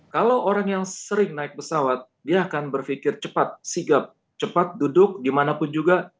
kalau orang yang sering naik pesawat dia akan berpikir cepat sigap cepat duduk dimanapun juga